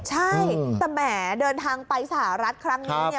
ใช่แต่แหมเดินทางไปสหรัฐครั้งนี้เนี่ย